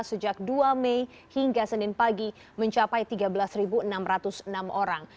sejak dua mei hingga senin pagi mencapai tiga belas enam ratus enam orang